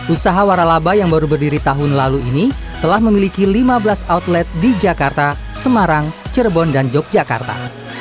usaha waralaba yang baru berdiri tahun lalu ini telah memiliki lima belas outlet di jakarta semarang cirebon dan yogyakarta